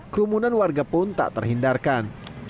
kerumunan warga pun tak terhindarkan